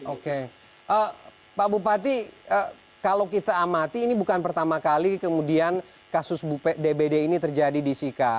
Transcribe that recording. oke pak bupati kalau kita amati ini bukan pertama kali kemudian kasus dbd ini terjadi di sika